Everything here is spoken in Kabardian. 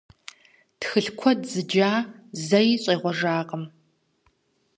Тхылъ куэд зыджа зэи щӀегъуэжакъым.